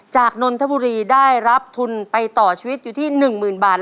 นนทบุรีได้รับทุนไปต่อชีวิตอยู่ที่๑๐๐๐บาท